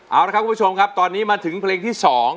เอาละครับคุณผู้ชมครับตอนนี้มาถึงเพลงที่๒